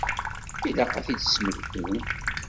Ilaq ad t-id-smektin.